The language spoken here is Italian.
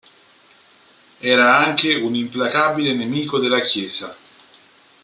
Era anche un implacabile nemico della Chiesa.